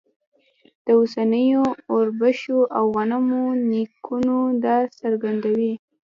د اوسنیو اوربشو او غنمو نیکونه دا څرګندوي.